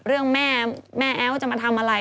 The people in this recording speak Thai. เรื่องแม่แม่แอ๊วจะมาทำอะไร